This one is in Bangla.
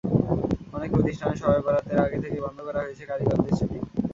অনেক প্রতিষ্ঠানে শবে বরাতের আগে থেকে বন্ধ করা হয়েছে কারিগরদের ছুটি।